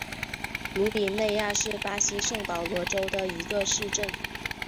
鲁比内亚是巴西圣保罗州的一个市镇。